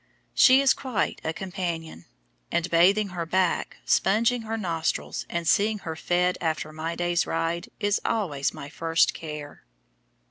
She is quite a companion, and bathing her back, sponging her nostrils, and seeing her fed after my day's ride, is always my first care.